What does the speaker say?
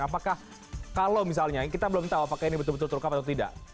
apakah kalau misalnya kita belum tahu apakah ini betul betul terungkap atau tidak